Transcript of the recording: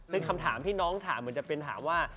ซึ่งคำถามที่น้องถามเหมือนจะเป็นถามว่า